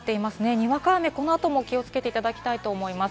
にわか雨、この後も気をつけていただきたいと思います。